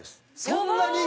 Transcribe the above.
そんなに？